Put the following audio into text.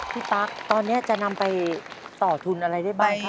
พี่ป๊าตอนนี้จะนำไปต่อทุนอะไรได้ไหมครับ